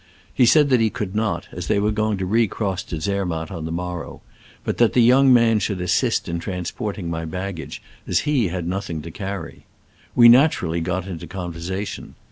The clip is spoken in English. He said that he could not, as they were going to recross to Zermatt on the morrow, but that the young man should assist in transporting my bag gage, as he had nothing to carry. We naturally got into conversation.